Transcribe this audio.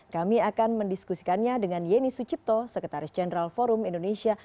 kami akan mendiskusikannya dengan yeni sucipto sekretaris jenderal forum indonesia